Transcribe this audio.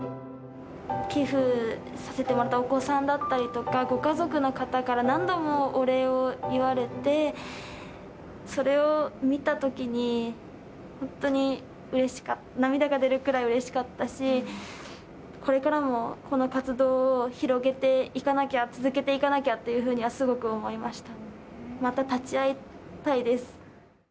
寄付させてもらったお子さんだったりとか、ご家族の方から何度もお礼を言われて、それを見たときに、本当にうれしかった、涙が出るくらいうれしかったし、これからもこの活動を広げていかなきゃ、続けていかなきゃっていうふうにはすごく思いました。